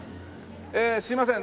すいません。